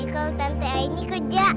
ya bener putri